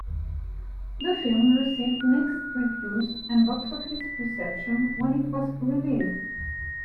The film received mixed reviews and box office reception when it was released.